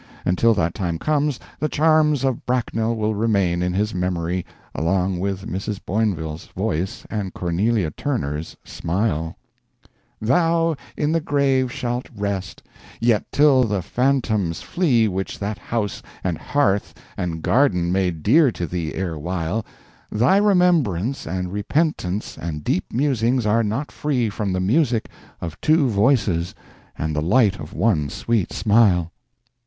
Until that time comes, the charms of Bracknell will remain in his memory, along with Mrs. Boinville's voice and Cornelia Turner's smile: "Thou in the grave shalt rest yet, till the phantoms flee Which that house and hearth and garden made dear to thee ere while, Thy remembrance and repentance and deep musings are not free From the music of two voices and the light of one sweet smile."